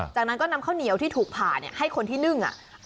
จากนั้นก็นำข้าวเหนียวที่ถูกผ่าให้คนที่นึ่ง